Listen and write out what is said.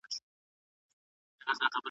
دېوالونه هم غوږونه لري .